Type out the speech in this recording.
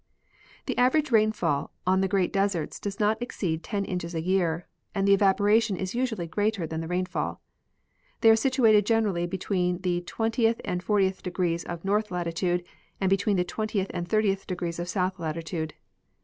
The average rainfall on the great deserts does not exceed ten inches a year, and the evaporation is usually greater than the rainfall. They are situated generally between the twentieth and fortieth degrees of north latitude and between the twen tieth and thirtieth degrees of south latitude.